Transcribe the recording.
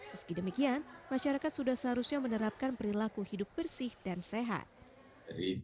meski demikian masyarakat sudah seharusnya menerapkan perilaku hidup bersih dan sehat